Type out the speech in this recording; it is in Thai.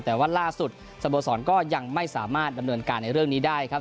แต่ว่าล่าสุดสโมสรก็ยังไม่สามารถดำเนินการในเรื่องนี้ได้ครับ